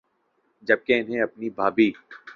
جب کہ انہیں اپنی بھابھی